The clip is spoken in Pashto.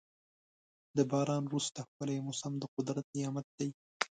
د باران وروسته ښکلی موسم د قدرت نعمت دی.